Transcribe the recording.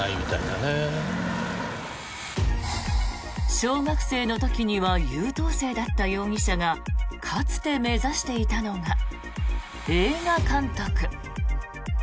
小学生の時には優等生だった容疑者がかつて目指していたのが映画監督。